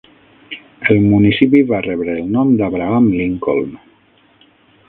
El municipi va rebre el nom d'Abraham Lincoln.